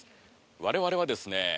我々はですね